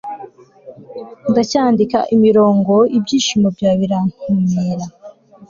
Ndacyandika imirongo Ibyishimo byawe birantumira